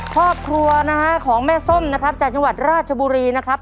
ครอบครัวของแม่ส้มจากจังหวัดราชบุกรีนะครับ